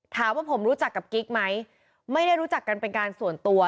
ถามว่าผมรู้จักกับกิ๊กไหมไม่ได้รู้จักกันเป็นการส่วนตัว